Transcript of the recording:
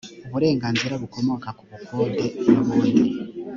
uburenganzira bukomoka ku bukode n ubundi